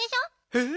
えっ？